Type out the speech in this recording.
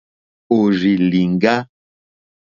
Òrzì lìŋɡá.